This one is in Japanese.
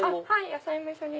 野菜も一緒に。